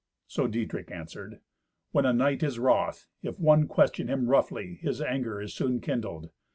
Sir Dietrich answered, "When a knight is wroth, if one question him roughly, his anger is soon kindled.